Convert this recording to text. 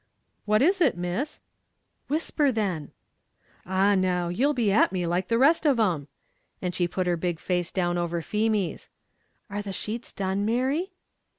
"What is it, Miss? "Whisper, then." "Ah, now! you'll be at me like the rest of 'em;" and she put her big face down over Feemy's. "Are the sheets done, Mary?"